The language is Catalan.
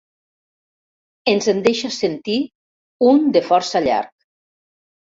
Ens en deixa sentir un de força llarg.